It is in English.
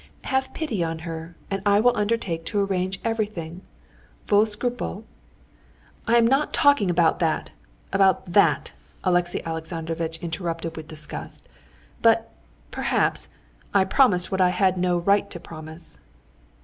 Have pity on her, and I will undertake to arrange everything. Vos scrupules...." "I am not talking about that, about that...." Alexey Alexandrovitch interrupted with disgust. "But, perhaps, I promised what I had no right to promise."